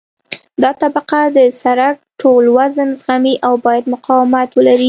دا طبقه د سرک ټول وزن زغمي او باید مقاومت ولري